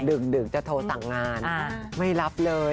ดึกจะโทรสั่งงานไม่รับเลย